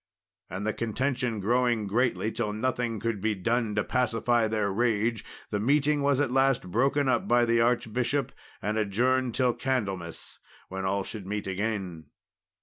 And the contention growing greatly, till nothing could be done to pacify their rage, the meeting was at length broken up by the archbishop and adjourned till Candlemas, when all should meet again.